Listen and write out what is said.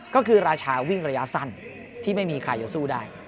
ก็คือราชาวิ่งระยะสั้นที่ไม่มีใครจะสู้ได้